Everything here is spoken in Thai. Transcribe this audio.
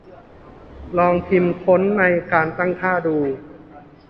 ลองพิมพ์ค้นในการตั้งค่าดู